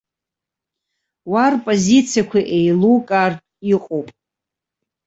Уа рпозициақәа еилукаартә иҟоуп.